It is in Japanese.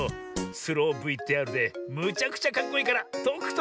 スローＶＴＲでむちゃくちゃかっこいいからとくとみてくれよ。